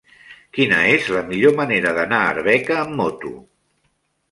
Quina és la millor manera d'anar a Arbeca amb moto?